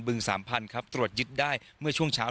สามพันธุ์ครับตรวจยึดได้เมื่อช่วงเช้า